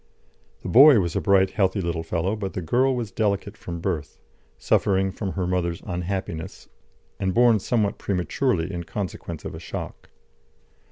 ] The boy was a bright, healthy little fellow, but the girl was delicate from birth, suffering from her mother's unhappiness, and born somewhat prematurely in consequence of a shock.